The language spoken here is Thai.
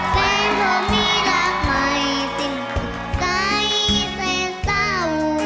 แต่ผมมีรักใหม่สิ่งติดใสแต่เศร้า